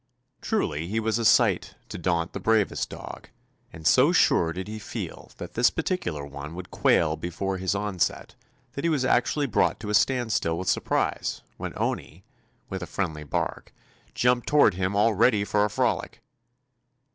Truly, he was a sight to daunt the bravest dog, and so sure did he feel that this particular one 220 TOMMY POSTOFFICE would quail before his onset that he was actually brought to a standstill with surprise when Owney, with a friendly bark, jumped toward him all ready for a frolic.